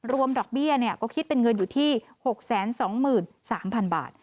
ดอกเบี้ยก็คิดเป็นเงินอยู่ที่๖๒๓๐๐๐บาท